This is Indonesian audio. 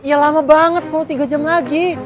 ya lama banget kok tiga jam lagi